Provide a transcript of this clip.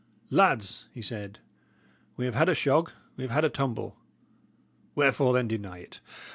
"Lads," he said, "we have had a shog, we have had a tumble; wherefore, then, deny it?